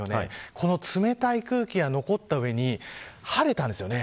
この冷たい空気が残った上に晴れたんですよね。